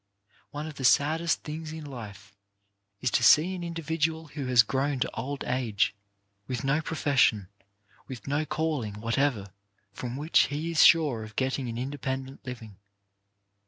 One of the saddest things in life is to see an individual who has grown to old age, with no profession, with no calling whatever from which he is sure of getting an independent living.